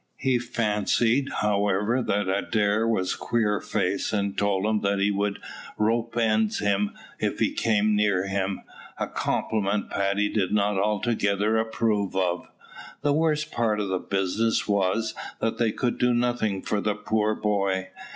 He fancied, however, that Adair was Queerface; and told him that he would rope's end him if he came near him, a compliment Paddy did not altogether approve of. The worst part of the business was, that they could do nothing for the poor boy.